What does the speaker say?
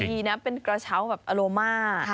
มีดีนะเป็นกระเช้าอโรมา